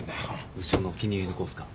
部長のお気に入りの子っすか？